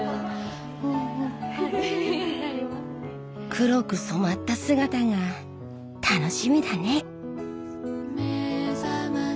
黒く染まった姿が楽しみだね。